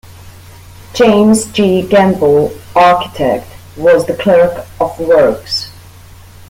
James G. Gamble, architect, was the clerk of works.